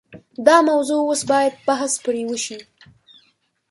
دا موضوع اوس باید بحث پرې وشي.